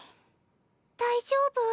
大丈夫？